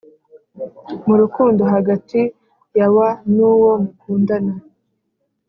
murukundo hagati yawa nuwo mukundana